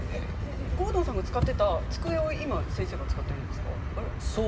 郷敦さんが使っていた机を今、先生が使っているんですか。